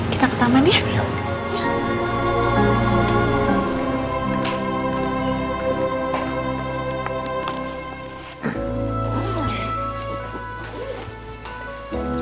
kita ke taman ya